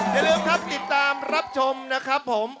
อย่าลืมครับติดตามรับชมนะครับผม